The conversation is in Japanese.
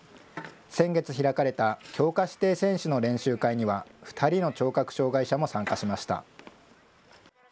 先月開かれた強化指定選手の練習会には、２人の聴覚障害者も参加しました。